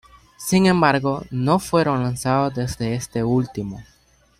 Sin embargo, no fueron lanzados desde este último.